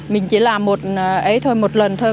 mình chỉ làm một lần thôi